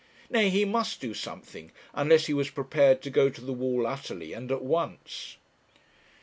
Nay, he must do something, unless he was prepared to go to the wall utterly, and at once.